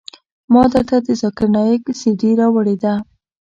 ما درته د ذاکر نايک سي ډي راوړې ده.